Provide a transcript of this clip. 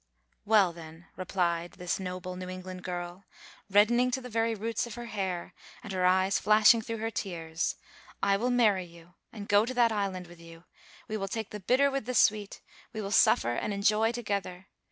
"Well, then," replied this noble New England girl, reddening to the very roots of her hair, and her eyes flashing through her tears, "I will marry you, and go to that island with you; we will take the bitter with the sweet; we will suffer and enjoy together.